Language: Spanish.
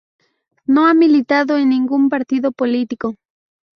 No ha militado en ningún partido político.